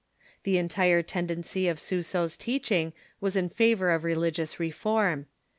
The entire tendency of Suso's teaching was in favor of religions reform.